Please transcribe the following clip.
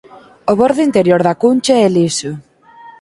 O bordo interior da cuncha é liso.